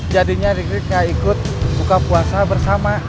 jadinya dik dik gak ikut buka puasa bersama